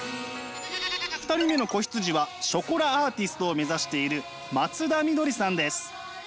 ２人目の子羊はショコラアーティストを目指している松田みどりさんです。